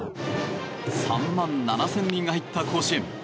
３万７０００人が入った甲子園。